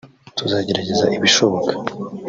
tuzagerageza ibishoboka